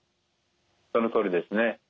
そのとおりですね。